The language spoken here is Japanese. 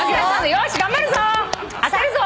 よし頑張るぞ！